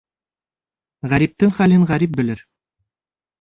Ғәриптең хәлен ғәрип белер.